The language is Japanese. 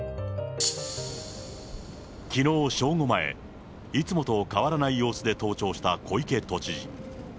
きのう正午前、いつもと変わらない様子で登庁した小池都知事。